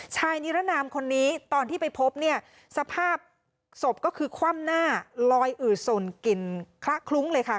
ชายนิรนามคนนี้ตอนที่ไปพบเนี่ยสภาพศพก็คือคว่ำหน้าลอยอืดสนกลิ่นคละคลุ้งเลยค่ะ